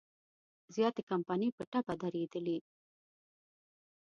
زیاتې کمپنۍ په ټپه درېدلي.